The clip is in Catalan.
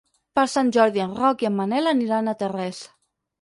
Per Sant Jordi en Roc i en Manel aniran a Tarrés.